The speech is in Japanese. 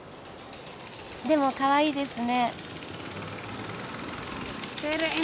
でもかわいいですね。